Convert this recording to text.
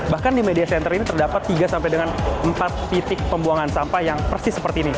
bahkan di media center ini terdapat tiga sampai dengan empat titik pembuangan sampah yang persis seperti ini